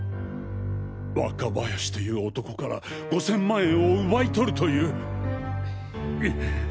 若林という男から５０００万円を奪いとるという。